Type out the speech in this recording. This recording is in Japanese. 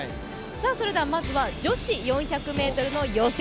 それではまずは女子４００ｍの予選。